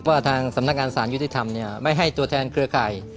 ว่าทางสำนักการณ์สารยุทธิธรรมเนี่ยไม่ให้ตัวแทนเครือค่าย